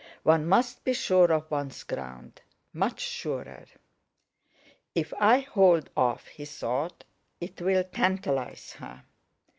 One must be sure of one's ground—much surer! "If I hold off," he thought, "it will tantalise her."